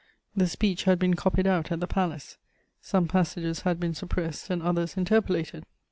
The speech had been copied out at the palace; some passages had been suppressed and others interpolated.